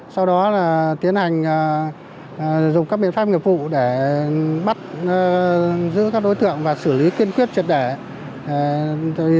sau đó là tiến hành dùng các biện pháp nghiệp vụ để bắt giữ các đối tượng và xử lý kiên quyết triệt đẻ